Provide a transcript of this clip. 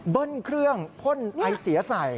เบิ้ลเครื่องพ่นไอเสียใส